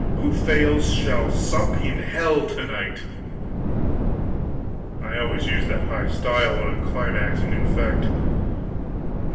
Who fails shall sup in hell to night!" I always use that high style when I'm climaxing an effect.